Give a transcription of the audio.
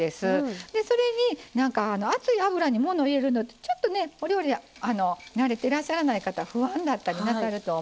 それに熱い油にもの入れるのってちょっとねお料理慣れてらっしゃらない方不安だったりなさると思う。